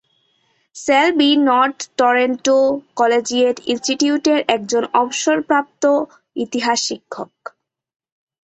সেলবি North Toronto Collegiate ইন্সটিটিউটের একজন অবসরপ্রাপ্ত ইতিহাস শিক্ষক।